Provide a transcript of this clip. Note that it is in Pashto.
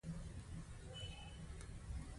د فزیک راتلونکی د ستورو په څېر روښانه دی.